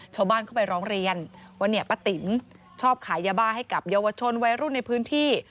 ชาวบ้านเข้าไปร้องเรียนว่าเนี่ยป้าติ๋มชอบขายยาบ้าให้กับเยาวชนวัยรุ่นในพื้นที่